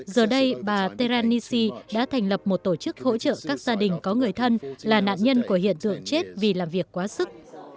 giờ đây bà teranisi đã thành lập một tổ chức hỗ trợ các gia đình có người thân là nạn nhân của hiện tượng chết vì làm việc quá sức